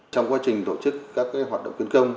trong quá trình tổ chức các hoạt động quyến công